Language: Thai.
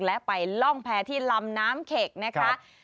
และไปล่องแพรที่ลำน้ำเข็กนะคะ